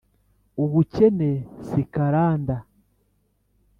Ubukene si karanda